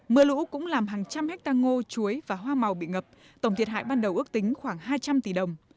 mưa lũ cũng làm hàng trăm hectare ngô chuối và hoa màu bị ngập tổng thiệt hại ban đầu ước tính khoảng hai trăm linh tỷ đồng